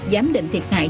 giám định thiệt hại